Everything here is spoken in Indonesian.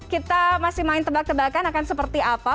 kita masih main tebak tebakan akan seperti apa